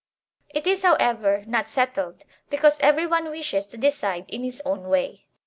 It is however, not settled, because every one wishes to decide it in his own way.